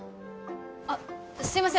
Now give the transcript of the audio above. あっすいません